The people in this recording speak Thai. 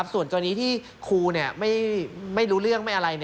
ส่วนกรณีที่ครูไม่รู้เรื่องไม่อะไร